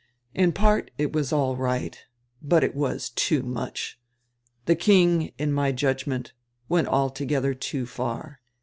In part it was all right, but it was too much. The king, in my judgment, went altogether too far.